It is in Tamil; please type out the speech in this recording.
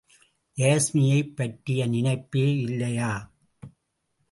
யாஸ்மியைப் பற்றிய நினைப்பே இல்லையா?